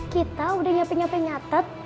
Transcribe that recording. kita udah nyapin nyapin nyatet